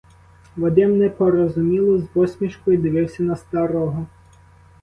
Вадим непорозуміло, з посмішкою дивився на старого.